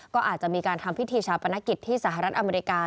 ก็อาจจะมีการทำพิธีชาปนกิจที่สหรัฐอเมริกา